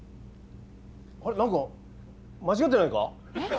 あれ何か間違ってないか？